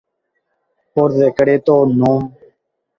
Por decreto núm.